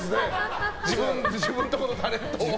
自分で自分のところのタレントを。